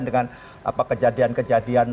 dengan apa kejadian kejadian